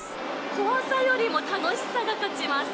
怖さよりも楽しさが勝ちます。